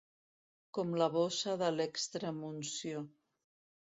Com la bossa de l'extremunció.